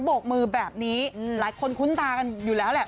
โกกมือแบบนี้หลายคนคุ้นตากันอยู่แล้วแหละ